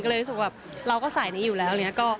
ก็เลยรู้สึกว่าเราก็ใส่ในนี้อยู่แล้ว